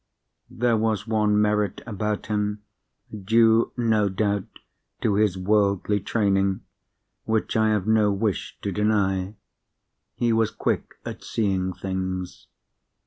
There was one merit about him (due no doubt to his worldly training) which I have no wish to deny. He was quick at seeing things.